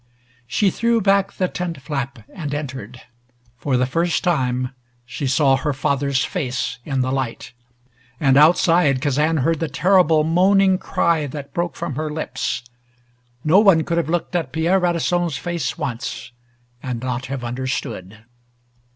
She threw back the tent flap and entered. For the first time she saw her father's face in the light and outside, Kazan heard the terrible moaning cry that broke from her lips. No one could have looked at Pierre Radisson's face once and not have understood.